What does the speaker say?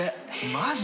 マジ？